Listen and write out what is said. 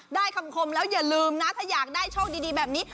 คำคมแล้วอย่าลืมนะถ้าอยากได้โชคดีแบบนี้